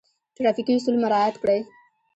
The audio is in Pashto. ټرافیکي اصول مراعات کړئ